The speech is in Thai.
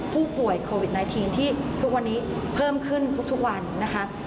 ผู้ป่วยโควิด๑๙ที่ทุกวันนี้เพิ่มขึ้นทุกวันนะคะ